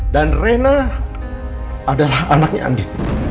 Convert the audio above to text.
dan rena adalah anaknya andi